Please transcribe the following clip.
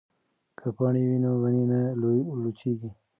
که پاڼې وي نو ونې نه لوڅیږي.